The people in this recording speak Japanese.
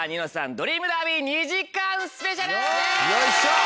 ドリームダービー２時間スペシャル』！